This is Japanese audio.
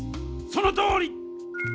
そのとおり！